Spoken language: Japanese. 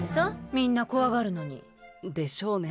みんな怖がるのに。でしょうね。